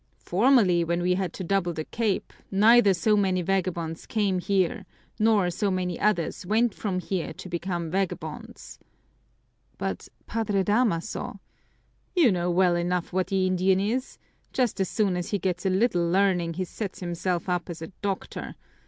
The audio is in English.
Formerly, when we had to double the Cape, neither so many vagabonds came here nor so many others went from here to become vagabonds." "But, Padre Damaso " "You know well enough what the Indian is just as soon as he gets a little learning he sets himself up as a doctor!